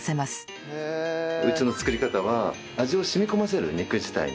うちの作り方は味を染み込ませる肉自体に。